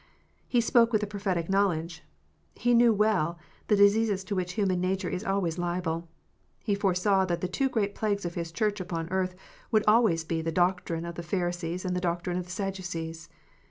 He spoke with a prophetic knowledge. He knew well the diseases to which human nature is always liable. He foresaw that the two great plagues of His Church upon earth would always be the doctrine of the Pharisees and the doctrine of the Sadducees.